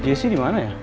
jessy dimana ya